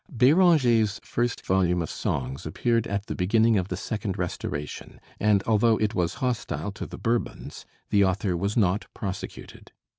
Béranger's first volume of songs appeared at the beginning of the second Restoration; and although it was hostile to the Bourbons, the author was not prosecuted.